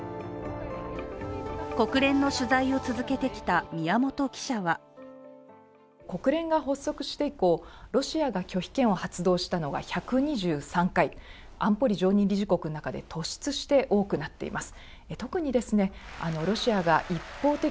国連の取材を続けてきた宮本記者は国連が発足して以降、ロシアが拒否権を発動したのが１２３回、安保理の常任理事国の中で突出して多くなっています。